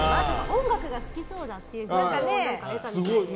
音楽が好きそうだというのを見たみたいで。